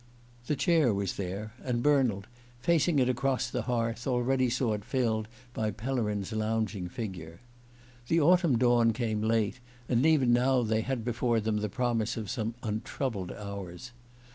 The chair was there, and Bernald, facing it across the hearth, already saw it filled by Pellerin's lounging figure. The autumn dawn came late, and even now they had before them the promise of some untroubled hours.